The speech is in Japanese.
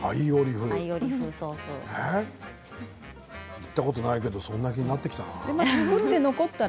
行ったこともないけどそんな感じがしてきたな。